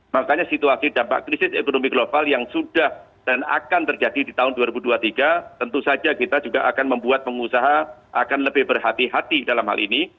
makanya situasi dampak krisis ekonomi global yang sudah dan akan terjadi di tahun dua ribu dua puluh tiga tentu saja kita juga akan membuat pengusaha akan lebih berhati hati dalam hal ini